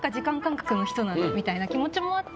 みたいな気持ちもあって。